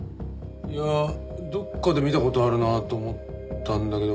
いやどこかで見た事あるなと思ったんだけど。